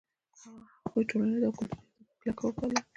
هغوی ټولنیز او کلتوري آداب په کلکه وپالـل.